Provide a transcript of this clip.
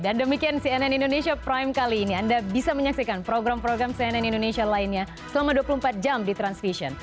dan demikian cnn indonesia prime kali ini anda bisa menyaksikan program program cnn indonesia lainnya selama dua puluh empat jam di transvision